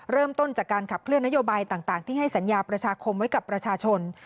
เริ่มต้นจากการขับเคลื่อนนโยบายต่างที่ให้สัญญาประชาคมไว้กับประชาชน